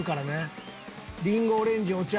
リンゴオレンジお茶。